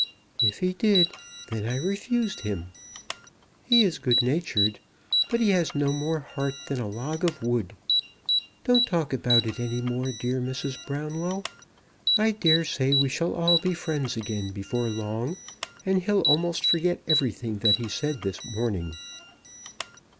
"If he did, then I refused him. He is good natured; but he has no more heart than a log of wood. Don't talk about it any more, dear Mrs. Brownlow. I dare say we shall all be friends again before long, and he'll almost forget everything that he said this morning."